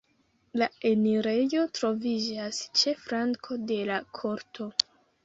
La enirejo troviĝas ĉe flanko de la korto.